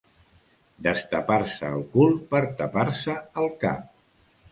Destapar-se el cul per tapar-se el cap.